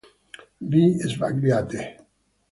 Vi sbagliate.